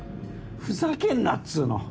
ふざけんなっつうの！